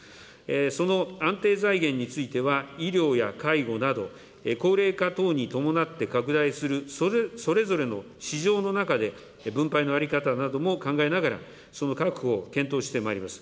その安定財源については、医療や介護など、高齢化等に伴って拡大するそれぞれの市場の中で、分配の在り方なども考えながらその確保を検討してまいります。